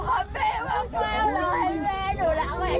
แกแกแกคุณมันลุกขึ้น